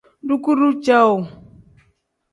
Dukuru cowuu.